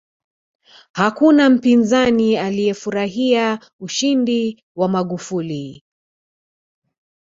hakuna mpinzani aliyefurahia ushindi wa magufuli